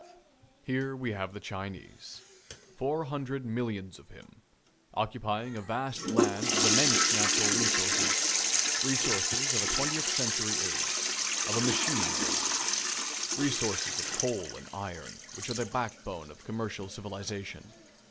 Here we have the Chinese, four hundred millions of him, occupying a vast land of immense natural resources resources of a twentieth century age, of a machine age; resources of coal and iron, which are the backbone of commercial civilization.